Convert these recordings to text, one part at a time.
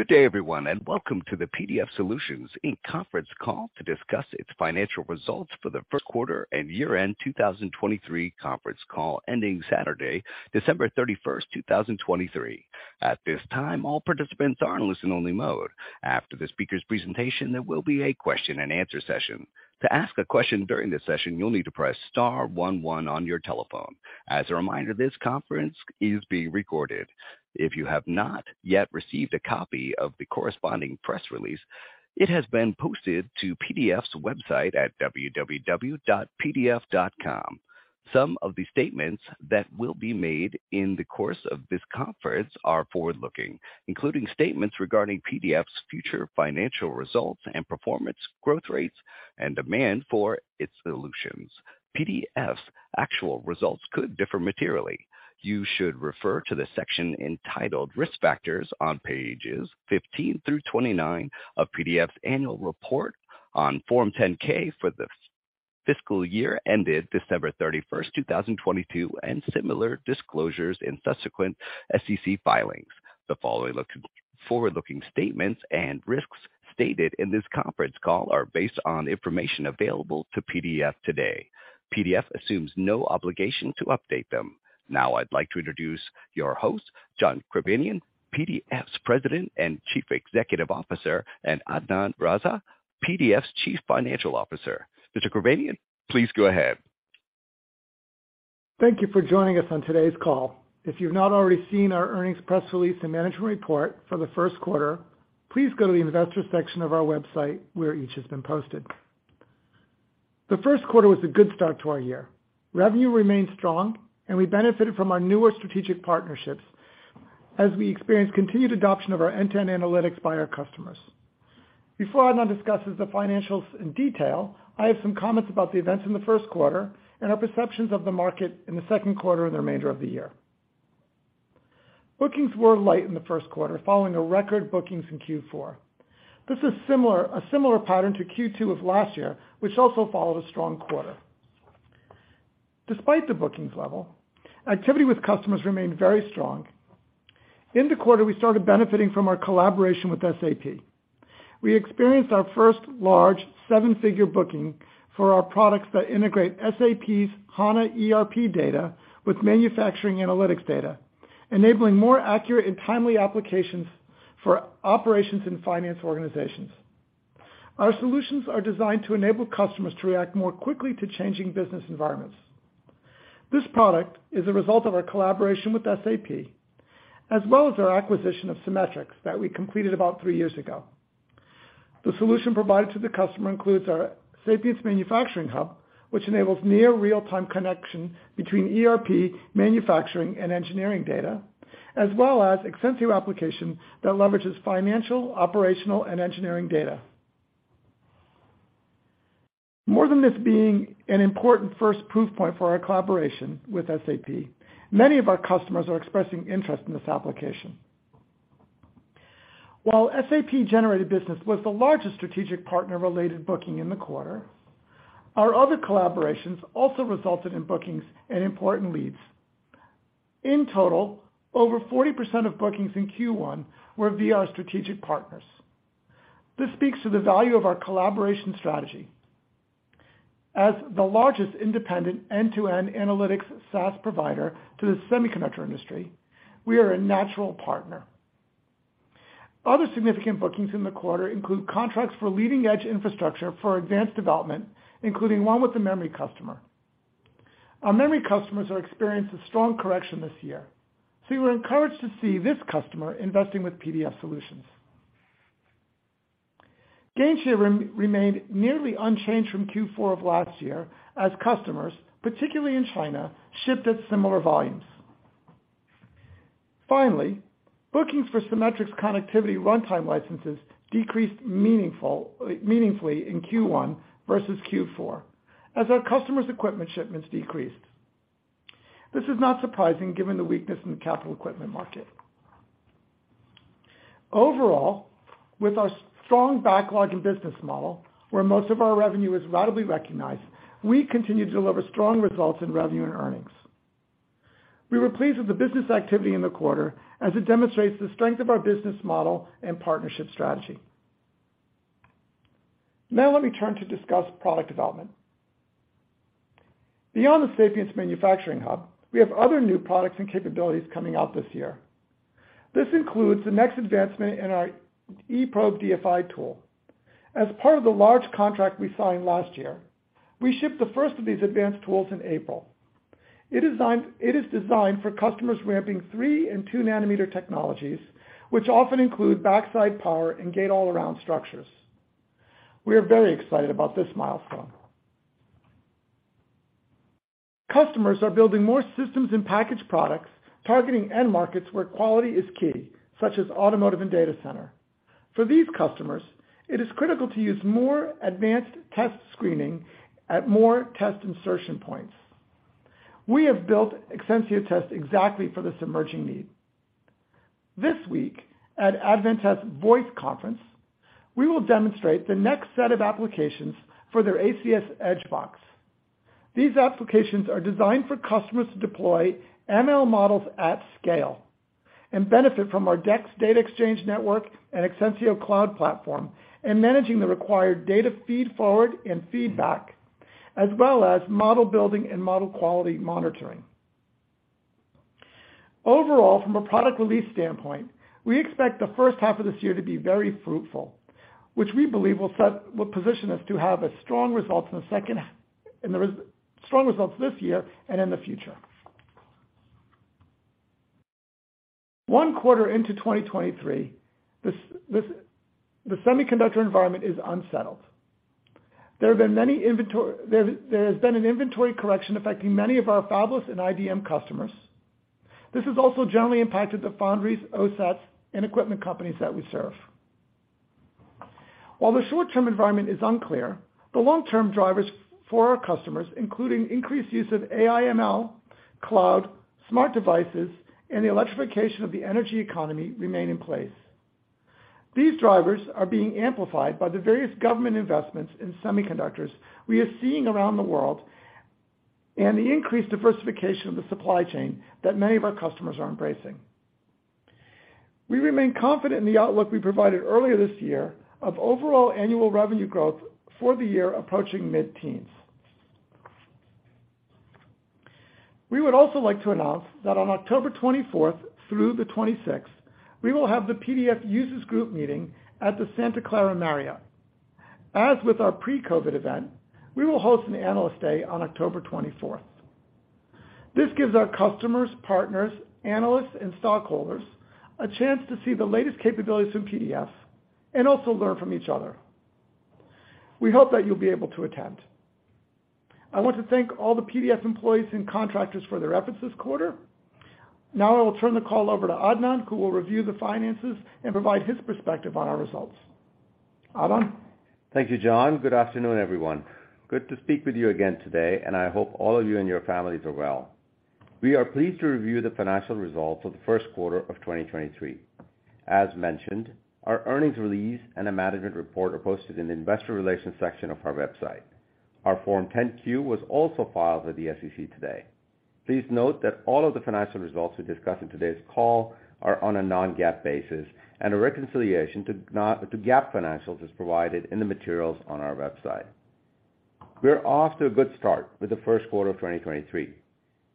Good day, everyone, and welcome to the PDF Solutions, Inc. conference call to discuss its financial results for the first quarter and year-end 2023 conference call ending Saturday, 31st December, 2023. At this time, all participants are in listen-only mode. After the speaker's presentation, there will be a question-and-answer session. To ask a question during this session, you'll need to press star one one on your telephone. As a reminder, this conference is being recorded. If you have not yet received a copy of the corresponding press release, it has been posted to PDF's website at www.pdf.com. Some of the statements that will be made in the course of this conference are forward-looking, including statements regarding PDF's future financial results and performance growth rates and demand for its solutions. PDF's actual results could differ materially. You should refer to the section entitled Risk Factors on pages 15 through 29 of PDF's annual report on Form 10-K for the fiscal year ended 31st December, 2022, and similar disclosures in subsequent SEC filings. The following forward-looking statements and risks stated in this conference call are based on information available to PDF today. PDF assumes no obligation to update them. I'd like to introduce your host, John Kibarian, PDF's President and Chief Executive Officer, and Adnan Raza, PDF's Chief Financial Officer. Mr. Kibarian, please go ahead. Thank you for joining us on today's call. If you've not already seen our earnings press release and management report for the first quarter, please go to the investor section of our website, where each has been posted. The first quarter was a good start to our year. Revenue remained strong, and we benefited from our newer strategic partnerships as we experienced continued adoption of our end-to-end analytics by our customers. Before Adnan discusses the financials in detail, I have some comments about the events in the first quarter and our perceptions of the market in the second quarter and the remainder of the year. Bookings were light in the first quarter, following a record bookings in Q4. This is a similar pattern to Q2 of last year, which also followed a strong quarter. Despite the bookings level, activity with customers remained very strong. In the quarter, we started benefiting from our collaboration with SAP. We experienced our first large seven-figure booking for our products that integrate SAP's HANA ERP data with manufacturing analytics data, enabling more accurate and timely applications for operations and finance organizations. Our solutions are designed to enable customers to react more quickly to changing business environments. This product is a result of our collaboration with SAP, as well as our acquisition of Cimetrix that we completed about three years ago. The solution provided to the customer includes our Sapience Manufacturing Hub, which enables near real-time connection between ERP manufacturing and engineering data, as well as extensive applications that leverages financial, operational, and engineering data. More than this being an important first proof point for our collaboration with SAP, many of our customers are expressing interest in this application. While SAP-generated business was the largest strategic partner-related booking in the quarter, our other collaborations also resulted in bookings and important leads. In total, over 40% of bookings in Q1 were via our strategic partners. This speaks to the value of our collaboration strategy. As the largest independent end-to-end analytics SaaS provider to the semiconductor industry, we are a natural partner. Other significant bookings in the quarter include contracts for leading-edge infrastructure for advanced development, including one with the memory customer. Our memory customers are experiencing strong correction this year, we were encouraged to see this customer investing with PDF Solutions. Gainshare remained nearly unchanged from Q4 of last year as customers, particularly in China, shipped at similar volumes. Finally, bookings for Cimetrix connectivity runtime licenses decreased meaningfully in Q1 versus Q4 as our customers' equipment shipments decreased. This is not surprising given the weakness in the capital equipment market. Overall, with our strong backlog and business model, where most of our revenue is ratably recognized, we continue to deliver strong results in revenue and earnings. We were pleased with the business activity in the quarter as it demonstrates the strength of our business model and partnership strategy. Let me turn to discuss product development. Beyond the Sapience Manufacturing Hub, we have other new products and capabilities coming out this year. This includes the next advancement in our eProbe DFI tool. As part of the large contract we signed last year, we shipped the first of these advanced tools in April. It is designed for customers ramping three and two-nanometer technologies, which often include backside power and gate-all-around structures. We are very excited about this milestone. Customers are building more systems and packaged products targeting end markets where quality is key, such as automotive and data center. For these customers, it is critical to use more advanced test screening at more test insertion points. We have built Exensio Test exactly for this emerging need. This week at Advantest VOICE Developer Conference, we will demonstrate the next set of applications for their ACS Edge Box. These applications are designed for customers to deploy ML models at scale and benefit from our DEX data exchange network and Exensio Cloud platform in managing the required data feed forward and feedback, as well as model building and model quality monitoring. Overall, from a product release standpoint, we expect the first half of this year to be very fruitful, which we believe will position us to have strong results this year and in the future. One quarter into 2023, this, the semiconductor environment is unsettled. There has been an inventory correction affecting many of our fabless and IDM customers. This has also generally impacted the foundries, OSATs, and equipment companies that we serve. While the short-term environment is unclear, the long-term drivers for our customers, including increased use of AI/ML, cloud, smart devices, and the electrification of the energy economy remain in place. These drivers are being amplified by the various government investments in semiconductors we are seeing around the world, and the increased diversification of the supply chain that many of our customers are embracing. We remain confident in the outlook we provided earlier this year of overall annual revenue growth for the year approaching mid-teens. We would also like to announce that on October 24th through the 26th, we will have the PDF Solutions Users Group meeting at the Santa Clara Marriott. As with our pre-COVID event, we will host an Analyst Day on 24th October. This gives our customers, partners, analysts, and stockholders a chance to see the latest capabilities from PDF and also learn from each other. We hope that you'll be able to attend. I want to thank all the PDF employees and contractors for their efforts this quarter. I will turn the call over to Adnan, who will review the finances and provide his perspective on our results. Adnan? Thank you, John. Good afternoon, everyone. Good to speak with you again today. I hope all of you and your families are well. We are pleased to review the financial results of the first quarter of 2023. As mentioned, our earnings release. A management report are posted in the investor relations section of our website. Our Form 10-Q was also filed with the SEC today. Please note that all of the financial results we discuss in today's call are on a non-GAAP basis. A reconciliation to GAAP financials is provided in the materials on our website. We're off to a good start with the first quarter of 2023.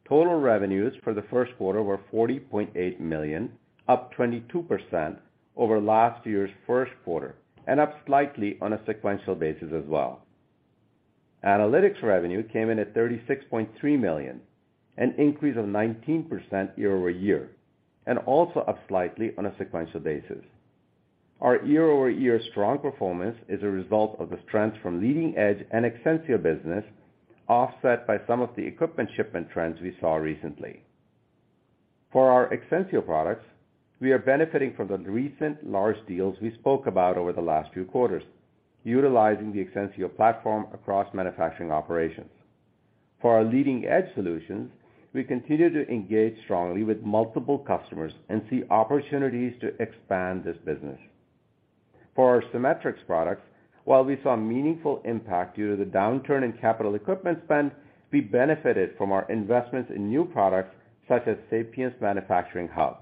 Total revenues for the first quarter were $40.8 million, up 22% over last year's first quarter. Up slightly on a sequential basis as well. Analytics revenue came in at $36.3 million, an increase of 19% year-over-year, and also up slightly on a sequential basis. Our year-over-year strong performance is a result of the trends from leading edge and Exensio business, offset by some of the equipment shipment trends we saw recently. For our Exensio products, we are benefiting from the recent large deals we spoke about over the last few quarters, utilizing the Exensio platform across manufacturing operations. For our leading-edge solutions, we continue to engage strongly with multiple customers and see opportunities to expand this business. For our Cimetrix products, while we saw meaningful impact due to the downturn in capital equipment spend, we benefited from our investments in new products such as Sapience Manufacturing Hub.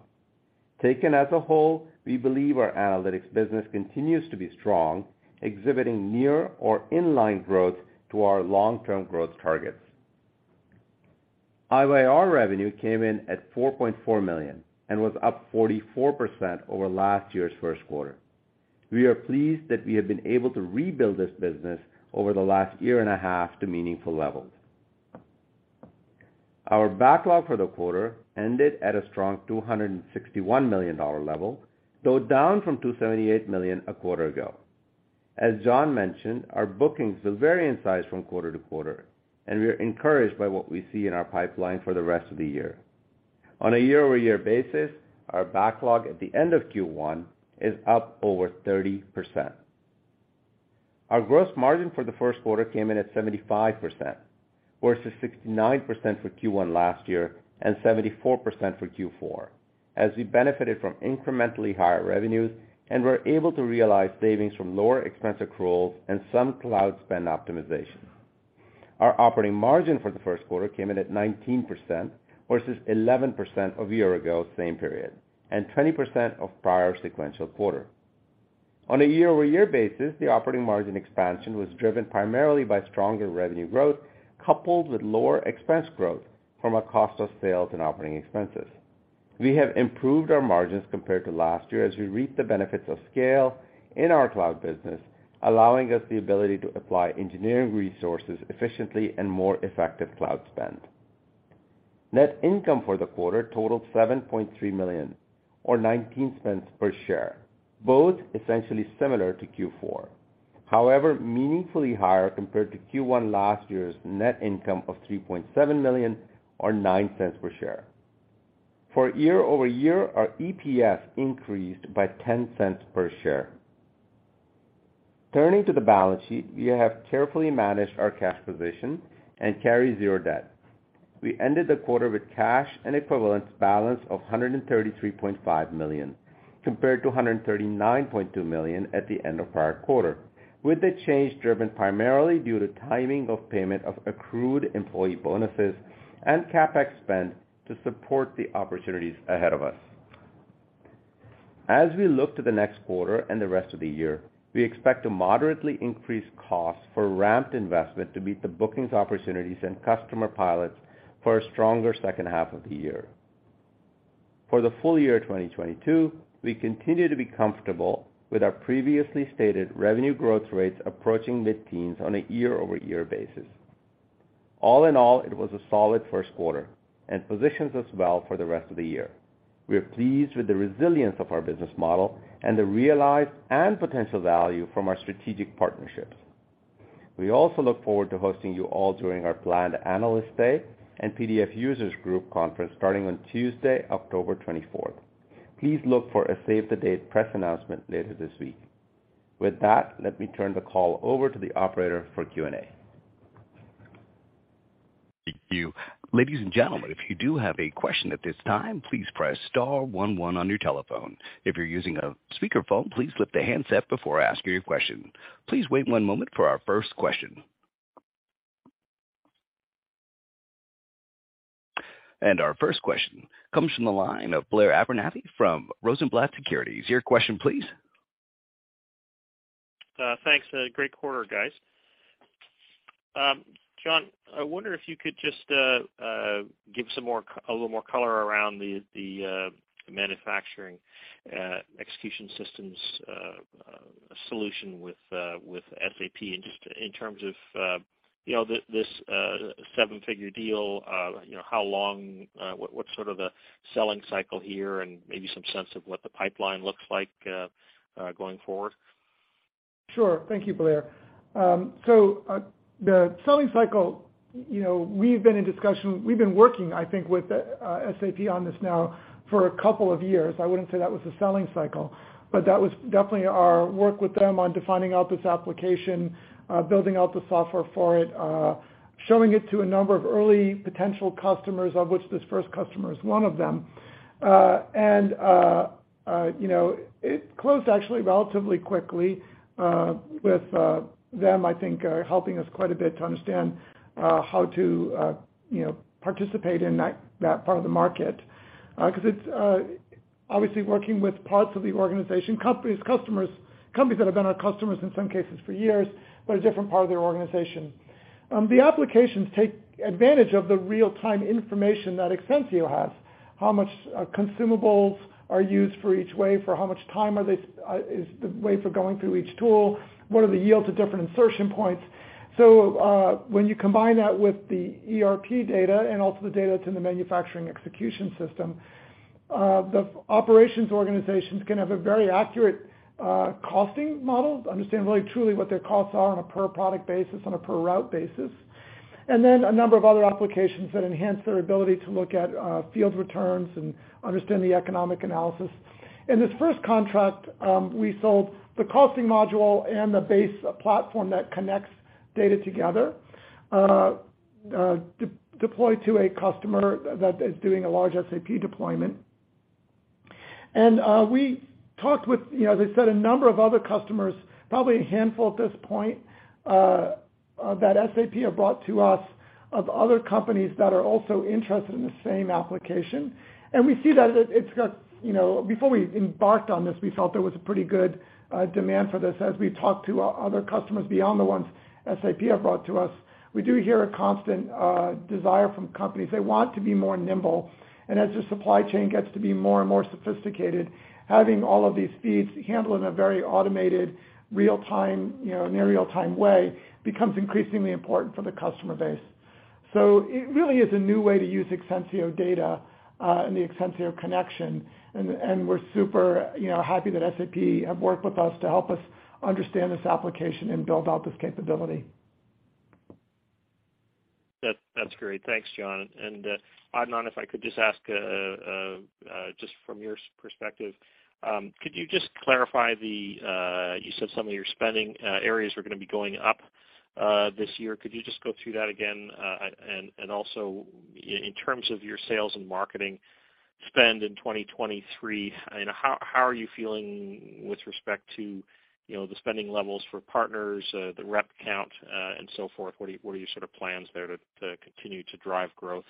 Taken as a whole, we believe our analytics business continues to be strong, exhibiting near or in line growth to our long-term growth targets. IYR revenue came in at $4.4 million and was up 44% over last year's first quarter. We are pleased that we have been able to rebuild this business over the last year and a half to meaningful levels. Our backlog for the quarter ended at a strong $261 million level, though down from $278 million a quarter ago. As John mentioned, our bookings will vary in size from quarter to quarter, and we are encouraged by what we see in our pipeline for the rest of the year. On a year-over-year basis, our backlog at the end of Q1 is up over 30%. Our gross margin for the first quarter came in at 75%, versus 69% for Q1 last year and 74% for Q4, as we benefited from incrementally higher revenues and were able to realize savings from lower expense accruals and some cloud spend optimization. Our operating margin for the first quarter came in at 19% versus 11% of a year ago, same period, and 20% of prior sequential quarter. On a year-over-year basis, the operating margin expansion was driven primarily by stronger revenue growth coupled with lower expense growth from a cost of sales and operating expenses. We have improved our margins compared to last year as we reap the benefits of scale in our cloud business, allowing us the ability to apply engineering resources efficiently and more effective cloud spend. Net income for the quarter totaled $7.3 million or $0.19 per share, both essentially similar to Q4. Meaningfully higher compared to Q1 last year's net income of $3.7 million or $0.09 per share. For year-over-year, our EPS increased by $0.10 per share. Turning to the balance sheet, we have carefully managed our cash position and carry 0 debt. We ended the quarter with cash and equivalents balance of $133.5 million compared to $139.2 million at the end of prior quarter, with the change driven primarily due to timing of payment of accrued employee bonuses and CapEx spend to support the opportunities ahead of us. As we look to the next quarter and the rest of the year, we expect to moderately increase costs for ramped investment to meet the bookings opportunities and customer pilots for a stronger second half of the year. For the full year 2022, we continue to be comfortable with our previously stated revenue growth rates approaching mid-teens on a year-over-year basis. All in all, it was a solid first quarter and positions us well for the rest of the year. We are pleased with the resilience of our business model and the realized and potential value from our strategic partnerships. We also look forward to hosting you all during our planned Analyst Day and PDF Users Group Conference starting on Tuesday, October 24th. Please look for a save the date press announcement later this week. Let me turn the call over to the operator for Q&A. Thank you. Ladies and gentlemen, if you do have a question at this time, please press star one one on your telephone. If you're using a speakerphone, please lift the handset before asking your question. Please wait one moment for our first question. Our first question comes from the line of Blair Abernethy from Rosenblatt Securities. Your question, please. Thanks. Great quarter, guys. John, I wonder if you could just give a little more color around the manufacturing execution systems solution with SAP, and just in terms of, you know, this seven-figure deal, you know, how long, what's sort of the selling cycle here, and maybe some sense of what the pipeline looks like going forward? Sure. Thank you, Blair. The selling cycle, you know, we've been in discussion... We've been working, I think, with SAP on this now for a couple of years. I wouldn't say that was a selling cycle, but that was definitely our work with them on defining out this application, building out the software for it, showing it to a number of early potential customers, of which this first customer is one of them. And, you know, it closed actually relatively quickly, with them, I think, helping us quite a bit to understand how to, you know, participate in that part of the market. 'Cause it's obviously working with parts of the organization, companies, customers, companies that have been our customers in some cases for years, but a different part of their organization. The applications take advantage of the real-time information that Exensio has, how much consumables are used for each way, for how much time is the way for going through each tool, what are the yields at different insertion points. When you combine that with the ERP data and also the data to the manufacturing execution system, the operations organizations can have a very accurate costing model to understand really truly what their costs are on a per product basis, on a per route basis. A number of other applications that enhance their ability to look at field returns and understand the economic analysis. In this first contract, we sold the costing module and the base platform that connects data together, de-deployed to a customer that is doing a large SAP deployment. We talked with, you know, as I said, a number of other customers, probably a handful at this point, that SAP have brought to us of other companies that are also interested in the same application. We see that it's got, you know, before we embarked on this, we felt there was a pretty good demand for this. As we talked to other customers beyond the ones SAP have brought to us, we do hear a constant desire from companies. They want to be more nimble. As the supply chain gets to be more and more sophisticated, having all of these feeds handled in a very automated real-time, you know, near real-time way becomes increasingly important for the customer base. It really is a new way to use Exensio data, and the Exensio connection, and we're super, you know, happy that SAP have worked with us to help us understand this application and build out this capability. That's great. Thanks, John. Adnan, if I could just ask, just from your perspective, could you just clarify the, you said some of your spending areas are gonna be going up this year. Could you just go through that again? In terms of your sales and marketing spend in 2023, you know, how are you feeling with respect to, you know, the spending levels for partners, the rep count, and so forth? What are your sort of plans there to continue to drive growth?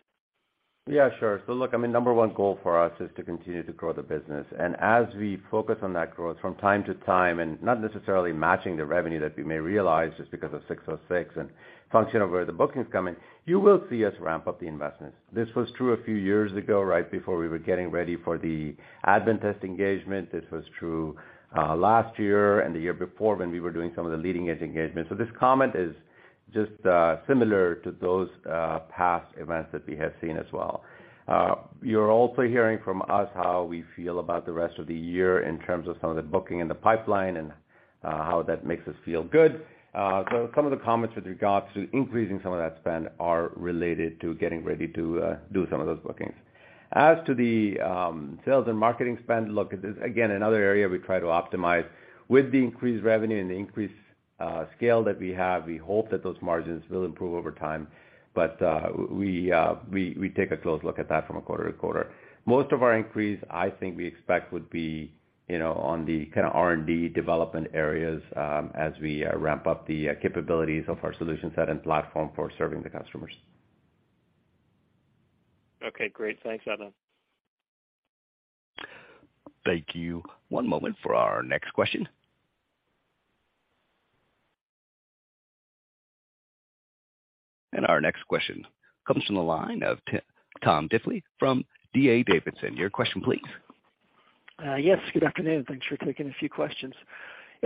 Yeah, sure. Look, I mean, number one goal for us is to continue to grow the business. As we focus on that growth from time to time and not necessarily matching the revenue that we may realize just because of 606 and function of where the bookings come in, you will see us ramp up the investments. This was true a few years ago, right before we were getting ready for the Advantest engagement. This was true last year and the year before when we were doing some of the leading edge engagements. This comment is just similar to those past events that we have seen as well. You're also hearing from us how we feel about the rest of the year in terms of some of the booking in the pipeline and how that makes us feel good. Some of the comments with regards to increasing some of that spend are related to getting ready to do some of those bookings. As to the sales and marketing spend, look, it is again, another area we try to optimize. With the increased revenue and the increased scale that we have, we hope that those margins will improve over time. We take a close look at that from a quarter to quarter. Most of our increase, I think we expect would be, you know, on the kinda R&D development areas, as we ramp up the capabilities of our solution set and platform for serving the customers. Okay, great. Thanks, Adna. Thank you. One moment for our next question. Our next question comes from the line of Tom Diffley from D.A. Davidson. Your question please. Yes, good afternoon. Thanks for taking a few questions.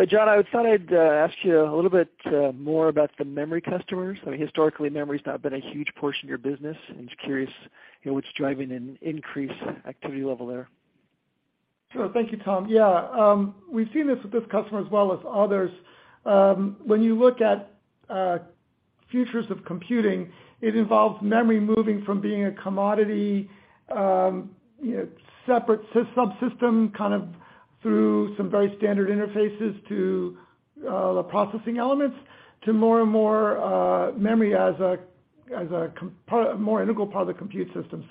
John, I would thought I'd ask you a little bit more about the memory customers. I mean, historically, memory's not been a huge portion of your business. I'm just curious, you know, what's driving an increased activity level there? Sure. Thank you, Tom. Yeah. We've seen this with this customer as well as others. When you look at futures of computing, it involves memory moving from being a commodity, you know, separate subsystem, kind of through some very standard interfaces to the processing elements to more and more memory as an integral part of the compute system.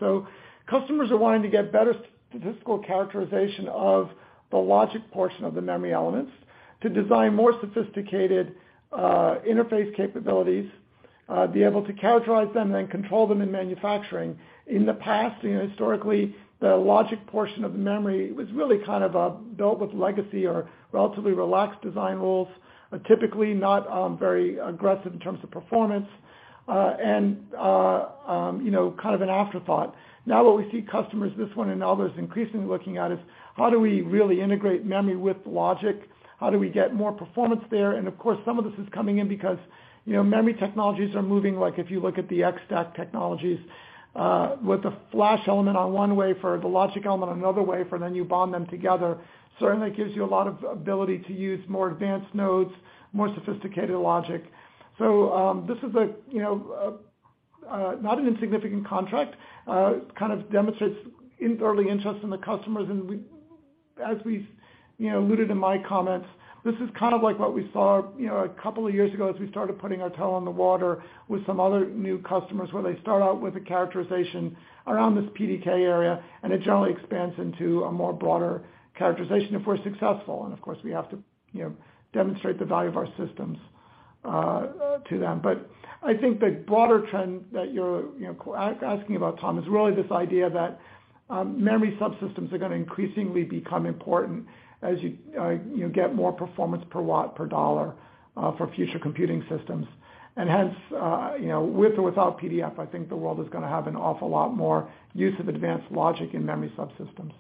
Customers are wanting to get better statistical characterization of the logic portion of the memory elements to design more sophisticated interface capabilities, be able to characterize them, then control them in manufacturing. In the past, you know, historically, the logic portion of memory was really kind of built with legacy or relatively relaxed design rules, are typically not very aggressive in terms of performance and, you know, kind of an afterthought. What we see customers, this one and others increasingly looking at is how do we really integrate memory with logic? How do we get more performance there? Of course, some of this is coming in because, you know, memory technologies are moving, like if you look at the Xtacking technologies, with the flash element on one wafer, the logic element on another wafer, and then you bond them together, certainly gives you a lot of ability to use more advanced nodes, more sophisticated logic. This is a, you know, not an insignificant contract. It kind of demonstrates in-early interest in the customers. As we, you know, alluded in my comments, this is kind of like what we saw, you know, a couple of years ago as we started putting our toe on the water with some other new customers, where they start out with a characterization around this PDK area, and it generally expands into a more broader characterization if we're successful. Of course, we have to, you know, demonstrate the value of our systems to them. I think the broader trend that you're, you know, asking about, Tom, is really this idea that memory subsystems are gonna increasingly become important as you get more performance per watt, per dollar for future computing systems. Hence, you know, with or without PDF, I think the world is gonna have an awful lot more use of advanced logic in memory subsystems.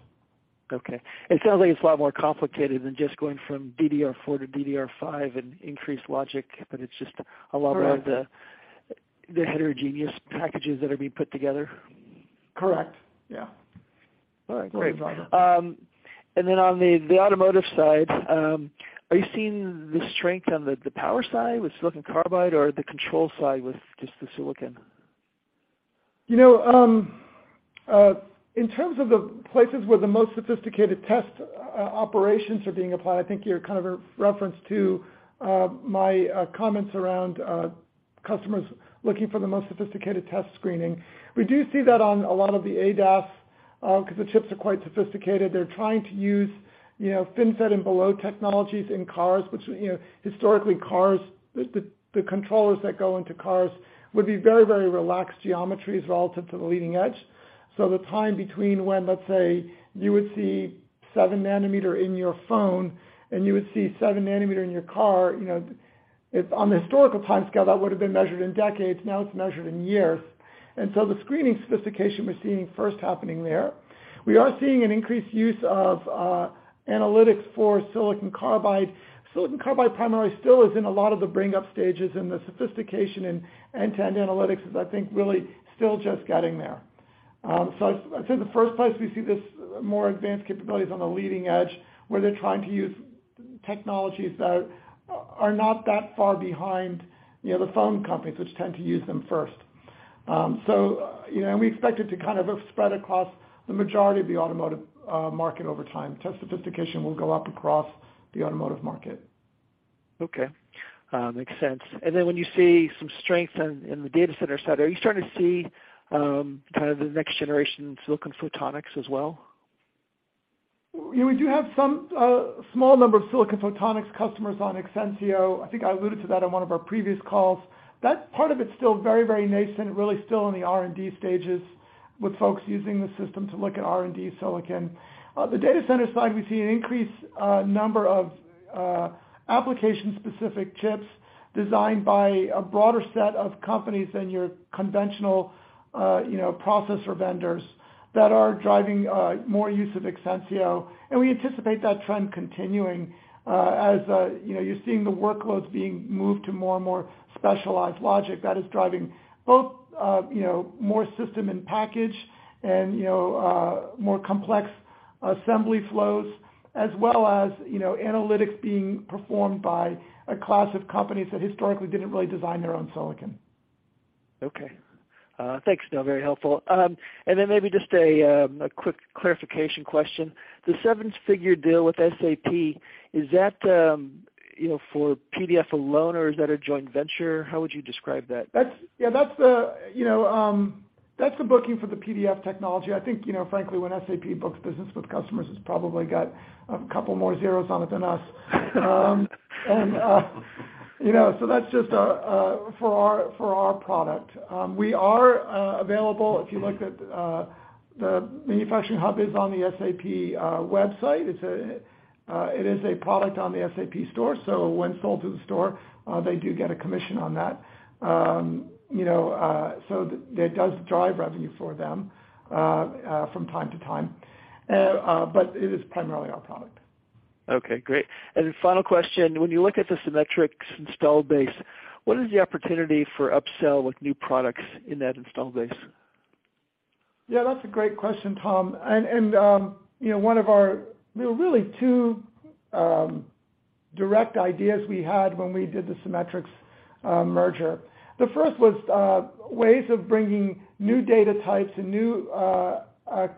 Okay. It sounds like it's a lot more complicated than just going from DDR4 to DDR5 and increased logic, but it's just a lot- Correct. of the heterogeneous packages that are being put together. Correct. Yeah. All right. Great. On the automotive side, are you seeing the strength on the power side with silicon carbide or the control side with just the silicon? You know, in terms of the places where the most sophisticated test operations are being applied, I think your kind of re-reference to my comments around customers looking for the most sophisticated test screening. We do see that on a lot of the ADAS because the chips are quite sophisticated. They're trying to use, you know, FinFET and below technologies in cars, which, you know, historically, cars, the, the controllers that go into cars would be very, very relaxed geometries relative to the leading edge. The time between when, let's say, you would see seven nanometer in your phone and you would see seven nanometer in your car, you know, if on the historical timescale, that would have been measured in decades, now it's measured in years. The screening sophistication we're seeing first happening there. We are seeing an increased use of analytics for silicon carbide. Silicon carbide primarily still is in a lot of the bring up stages in the sophistication and end-to-end analytics is, I think, really still just getting there. I'd say the first place we see this more advanced capabilities on the leading edge, where they're trying to use technologies that are not that far behind the other phone companies, which tend to use them first. You know, and we expect it to kind of spread across the majority of the automotive market over time. Test sophistication will go up across the automotive market. Okay. Makes sense. When you see some strength in the data center side, are you starting to see, kind of the next generation silicon photonics as well? We do have some, small number of silicon photonics customers on Exensio. I think I alluded to that on one of our previous calls. That part of it's still very, very nascent, really still in the R&D stages with folks using the system to look at R&D silicon. The data center side, we see an increased number of application-specific chips designed by a broader set of companies than your conventional, you know, processor vendors that are driving more use of Exensio. We anticipate that trend continuing, as, you know, you're seeing the workloads being moved to more and more specialized logic that is driving both, you know, more system and package and, you know, more complex assembly flows, as well as, you know, analytics being performed by a class of companies that historically didn't really design their own silicon. Okay. Thanks, still very helpful. Maybe just a quick clarification question. The seven-figure deal with SAP, is that, you know, for PDF alone or is that a joint venture? How would you describe that? That's... Yeah, that's the, you know, that's the booking for the PDF technology. I think, you know, frankly, when SAP books business with customers, it's probably got a couple more zeros on it than us. You know, that's just for our product. We are available, if you looked at, the Sapience Manufacturing Hub is on the SAP website. It is a product on the SAP Store, when sold to the Store, they do get a commission on that. You know, it does drive revenue for them from time to time. It is primarily our product. Okay, great. Then final question: When you look at the Cimetrix installed base, what is the opportunity for upsell with new products in that installed base? Yeah, that's a great question, Tom. One of our, you know, really two direct ideas we had when we did the Cimetrix merger. The first was ways of bringing new data types and new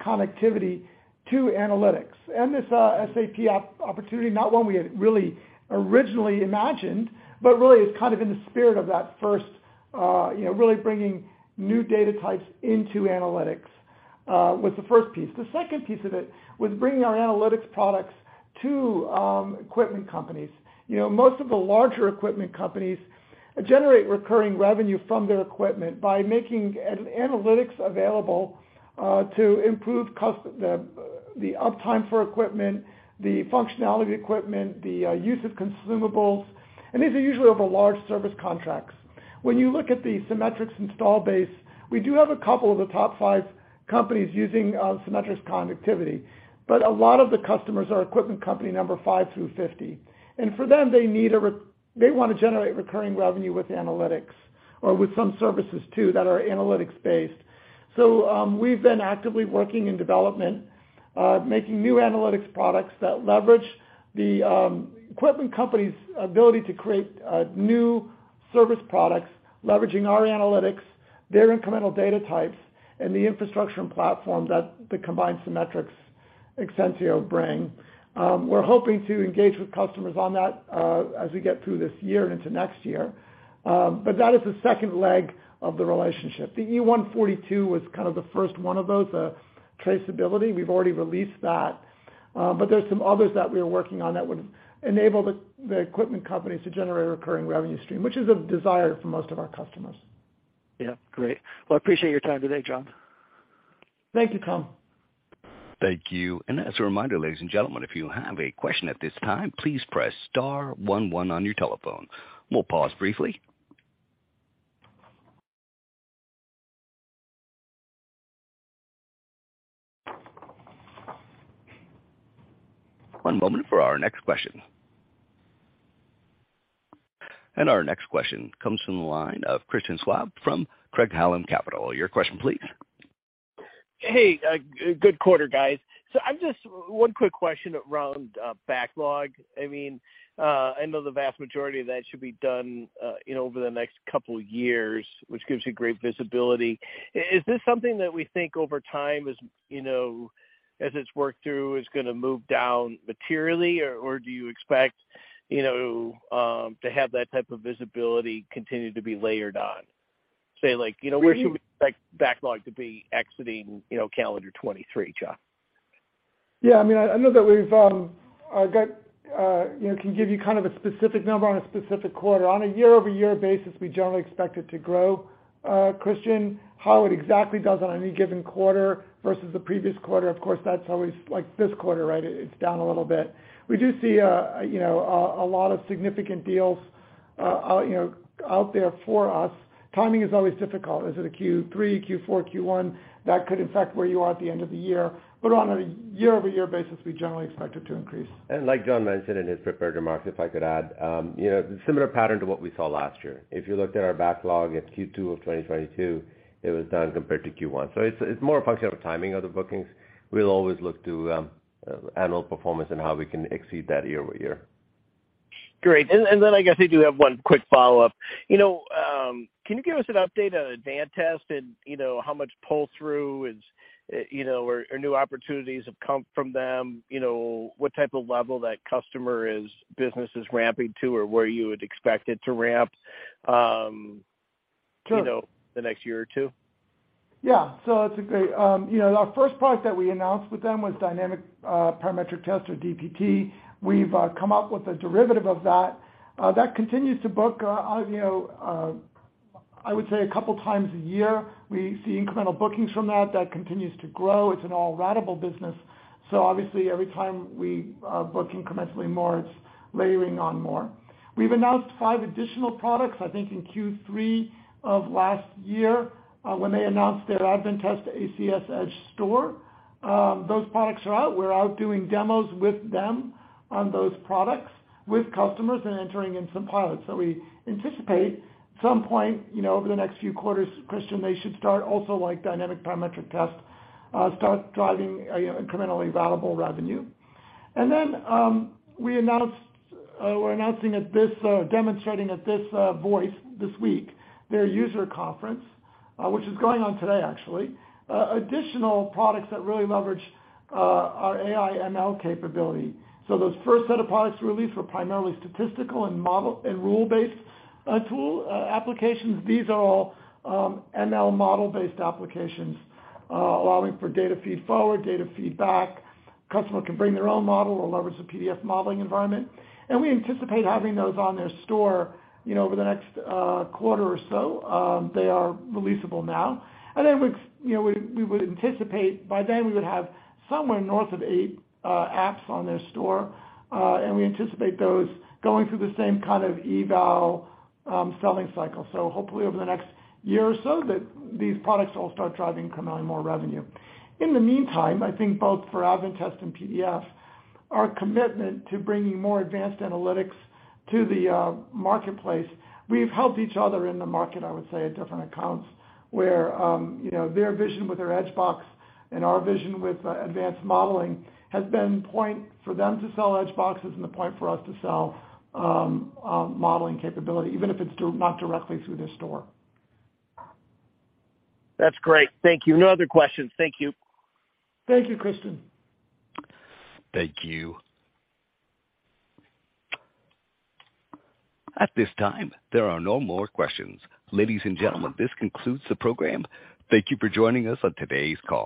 connectivity to analytics. This SAP opportunity, not one we had really originally imagined, but really is kind of in the spirit of that first, you know, really bringing new data types into analytics, was the first piece. The second piece of it was bringing our analytics products to equipment companies. You know, most of the larger equipment companies generate recurring revenue from their equipment by making analytics available to improve the uptime for equipment, the functionality of the equipment, the use of consumables. These are usually over large service contracts. When you look at the Cimetrix install base, we do have a couple of the top five companies using Cimetrix connectivity, a lot of the customers are equipment company number five through 50. For them, they wanna generate recurring revenue with analytics or with some services too that are analytics-based. We've been actively working in development, making new analytics products that leverage the equipment company's ability to create new service products, leveraging our analytics, their incremental data types, and the infrastructure and platform that the combined Cimetrix-Exensio bring. We're hoping to engage with customers on that as we get through this year into next year. That is the second leg of the relationship. The E142 was kind of the first one of those, the traceability. We've already released that. There's some others that we are working on that would enable the equipment companies to generate a recurring revenue stream, which is a desire for most of our customers. Yeah, great. Well, I appreciate your time today, John. Thank you, Tom. Thank you. As a reminder, ladies and gentlemen, if you have a question at this time, please press star one one on your telephone. We'll pause briefly. One moment for our next question. Our next question comes from the line of Christian Schwab from Craig-Hallum Capital Group. Your question please. Hey, good quarter, guys. I've just one quick question around backlog. I mean, I know the vast majority of that should be done, you know, over the next couple of years, which gives you great visibility. Is this something that we think over time as, you know, as it's worked through, is gonna move down materially, or do you expect, you know, to have that type of visibility continue to be layered on, say, like, you know, where should we expect backlog to be exiting, you know, calendar 2023, John? Yeah, I mean, I know that we've, you know, can give you kind of a specific number on a specific quarter. On a year-over-year basis, we generally expect it to grow, Christian. How it exactly does on any given quarter versus the previous quarter, of course, that's always like this quarter, right? It's down a little bit. We do see a lot of significant deals out there for us. Timing is always difficult. Is it a Q3, Q4, Q1? That could affect where you are at the end of the year. On a year-over-year basis, we generally expect it to increase. Like John mentioned in his prepared remarks, if I could add, you know, similar pattern to what we saw last year. If you looked at our backlog at Q2 of 2022, it was down compared to Q1. It's more a function of timing of the bookings. We'll always look to annual performance and how we can exceed that year-over-year. Great. I guess I do have one quick follow-up. You know, can you give us an update on Advantest and, you know, how much pull-through is, you know, or new opportunities have come from them? You know, what type of level that customer is, business is ramping to or where you would expect it to ramp, you know, the next year or two? Yeah. That's a great... you know, our first product that we announced with them was Dynamic Parametric Test, or DPT. We've come up with a derivative of that. That continues to book, you know, I would say two times a year. We see incremental bookings from that. That continues to grow. It's an all ratable business. Obviously every time we book incrementally more, it's layering on more. We've announced five additional products, I think, in Q3 of last year, when they announced their Advantest ACS Store. Those products are out. We're out doing demos with them on those products with customers and entering in some pilots. We anticipate some point, you know, over the next few quarters, Christian, they should start also like Dynamic Parametric Test, start driving, you know, incrementally ratable revenue. We announced we're announcing at this demonstrating at this VOICE this week, their user conference, which is going on today, actually, additional products that really leverage our AI/ML capability. Those first set of products released were primarily statistical and rule-based tool applications. These are all ML model-based applications, allowing for data feed forward, data feedback. Customer can bring their own model or leverage the PDF modeling environment. We anticipate having those on their store, you know, over the next quarter or so. They are releasable now. We would anticipate by then we would have somewhere north of eight apps on their store. We anticipate those going through the same kind of eval selling cycle. Hopefully over the next year or so that these products will start driving incrementally more revenue. In the meantime, I think both for Advantest and PDF, our commitment to bringing more advanced analytics to the marketplace, we've helped each other in the market, I would say, at different accounts where, you know, their vision with their Edge Box and our vision with advanced modeling has been point for them to sell Edge Boxes and the point for us to sell modeling capability, even if it's not directly through their store. That's great. Thank you. No other questions. Thank you. Thank you, Christian. Thank you. At this time, there are no more questions. Ladies and gentlemen, this concludes the program. Thank you for joining us on today's call.